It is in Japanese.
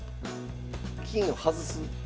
金を外す？